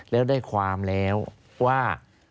แล้วได้ความแล้วว่า